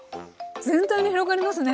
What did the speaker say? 全体に広がりますね。